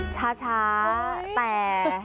ช้าแต่